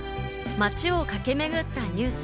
街を駆けめぐったニュース。